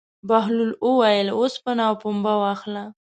بهلول وویل: اوسپنه او پنبه واخله.